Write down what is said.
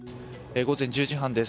午前１０時半です。